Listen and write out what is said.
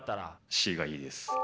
Ｃがいいです。